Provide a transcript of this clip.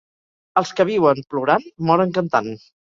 Els que viuen plorant, moren cantant.